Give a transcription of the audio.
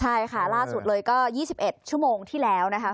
ใช่ค่ะล่าสุดเลยก็๒๑ชั่วโมงที่แล้วนะคะ